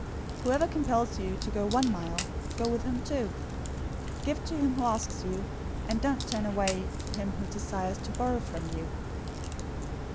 005:041 Whoever compels you to go one mile, go with him two. 005:042 Give to him who asks you, and don't turn away him who desires to borrow from you.